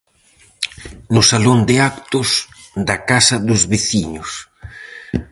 No salón de actos da casa dos veciños.